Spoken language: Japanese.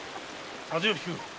風邪をひく。